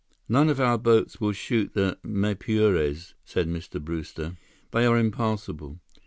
"None of our boats will shoot the Maipures," said Mr. Brewster. "They are impassable.